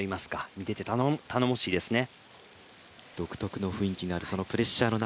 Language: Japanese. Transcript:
見てて頼もしいですね。